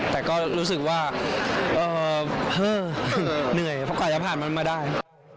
แต่ก็รู้สึกว่าเหนื่อยเพราะกว่าจะผ่านมันมาได้